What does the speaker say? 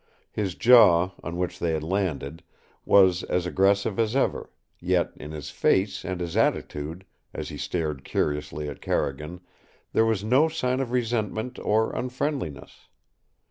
His jaw, on which they had landed, was as aggressive as ever, yet in his face and his attitude, as he stared curiously at Carrigan, there was no sign of resentment or unfriendliness.